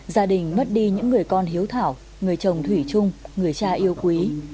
gia đình mất đi những người con hiếu thảo người chồng thủy chung người cha yêu quý